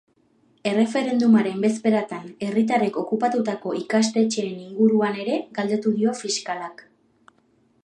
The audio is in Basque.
Erreferendumaren bezperatan herritarrek okupatutako ikastetxeen inguruan ere galdetu dio fiskalak.